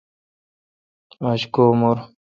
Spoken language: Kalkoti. آج کو مور۔